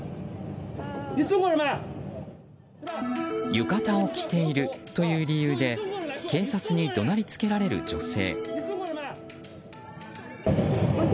浴衣を着ているという理由で警察に怒鳴りつけられる女性。